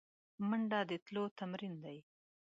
منډه د تلو تمرین دی